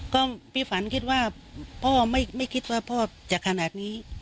ก็พี่ฝันคิดว่าพ่อไม่คิดว่าพ่อจะขนาดนี้